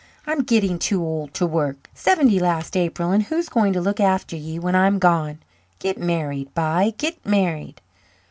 "I'm gitting too old to work seventy last April and who's going to look after ye when I'm gone. Git married, b'y git married."